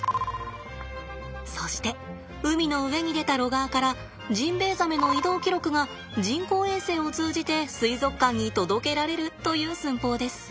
そして海の上に出たロガーからジンベエザメの移動記録が人工衛星を通じて水族館に届けられるという寸法です。